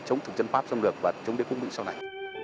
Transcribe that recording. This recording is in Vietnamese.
chống thực dân pháp xâm lược và chống đế quốc mỹ sau này